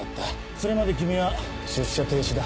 それまで君は出社停止だ。